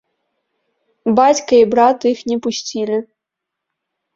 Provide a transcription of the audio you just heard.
Бацька і брат іх не пусцілі.